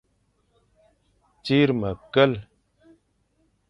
Tsir mekel.